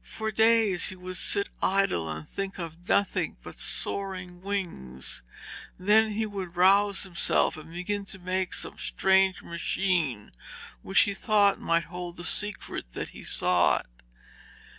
For days he would sit idle and think of nothing but soaring wings, then he would rouse himself and begin to make some strange machine which he thought might hold the secret that he sought.